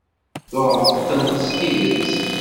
Tuɣeḍ-tent s tidet.